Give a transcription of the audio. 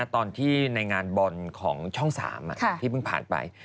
ตอนที่ในงานบอลของช่อง๓ที่เพิ่งผ่านไป